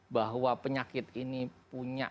bahwa penyakit ini punya